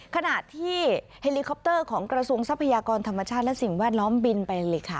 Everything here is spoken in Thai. ขณะที่เฮลิคอปเตอร์ของกระทรวงทรัพยากรธรรมชาติและสิ่งแวดล้อมบินไปเลยค่ะ